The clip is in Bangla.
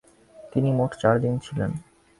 তিনি মোট চারদিন ছিলেন।